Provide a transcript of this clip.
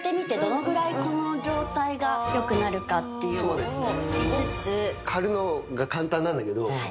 そうですね。